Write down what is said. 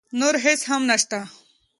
نور هېڅ هم نه شته.